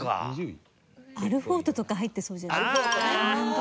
アルフォートとか入ってそうじゃない？ああ！